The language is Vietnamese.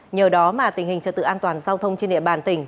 nhờ đó mà tình hình trật tự an toàn giao thông trên địa bàn tỉnh